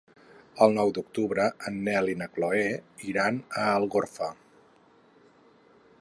El nou d'octubre en Nel i na Chloé iran a Algorfa.